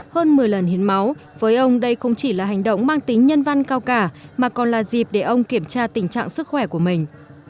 hơn một mươi lần hiến máu với ông đây không chỉ là hành động mang tính nhân văn cao cả mà còn là dịp để ông kiểm tra tình trạng sức khỏe của mình